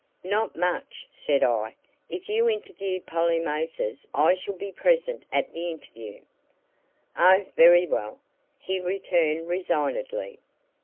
"Not much!" said I. "If you interview Polly Mathers I shall be present at the interview." "Oh, very well!" he returned resignedly.